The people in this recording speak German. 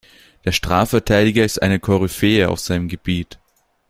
Der Strafverteidiger ist eine Koryphäe auf seinem Gebiet.